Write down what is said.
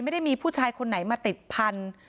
ไม่ได้มีผู้ชายคนไหนมาติดพันธุ์